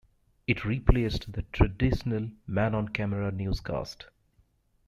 It replaced the traditional "man-on-camera" newscast.